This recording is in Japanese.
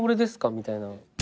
みたいな。